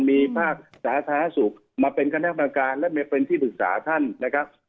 มีภาคสาธารณสุขมาเป็นคณะกรรมการและเป็นที่ปรึกษาท่านนะครับ